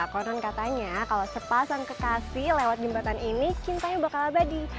konon katanya kalau sepasang kekasih lewat jembatan ini cintanya bakal abadi